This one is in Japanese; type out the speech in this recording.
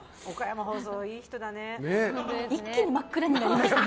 一気に真っ暗になりましたね。